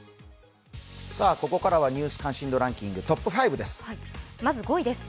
ここからは「ニュース関心度ランキング」トップ５です。